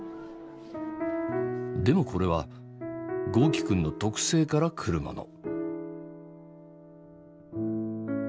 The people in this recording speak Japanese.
でもこれは豪輝くんの特性から来るもの。